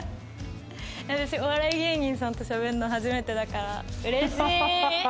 私お笑い芸人さんとしゃべるの初めてだから嬉しい！